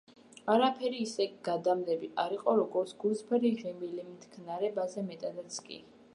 არაფერი ისე გადამდები არ არის, როგორც გულწრფელი ღიმილი, მთქნარებაზე მეტადაც კი...